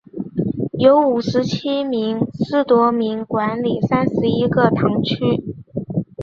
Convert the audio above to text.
由五十七名司铎名管理三十一个堂区。